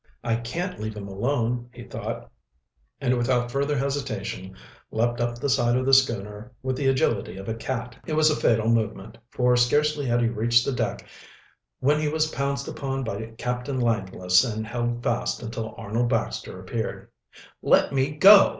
"I can't leave him alone," he thought, and without further hesitation leaped up the side of the schooner with the agility of a cat. It was a fatal movement, for scarcely had he reached the deck when he was pounced upon by Captain Langless and held fast until Arnold Baxter appeared. "Let me go!"